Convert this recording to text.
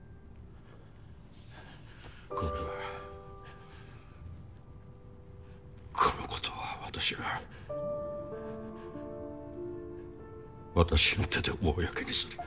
これはこのことは私が私の手で公にするよ。